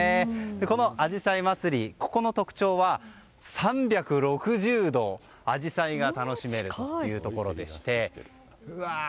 このあじさい祭、ここの特徴は３６０度、アジサイが楽しめるというところでして。